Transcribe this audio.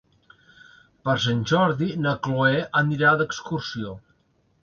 Per Sant Jordi na Chloé anirà d'excursió.